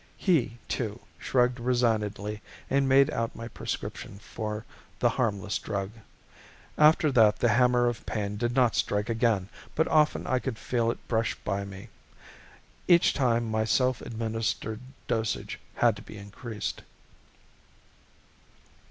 He, too, shrugged resignedly and made out my prescription for the harmless drug. After that the hammer of pain did not strike again but often I could feel it brush by me. Each time my self administered dosage had to be increased.